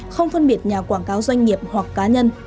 không phân biệt nhà quảng cáo doanh nghiệp hoặc cá nhân